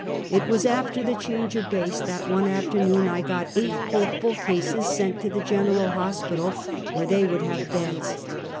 It was after the change of base, that one afternoon I got eight hopeful cases sent to the General Hospital, where they w^ould have beds.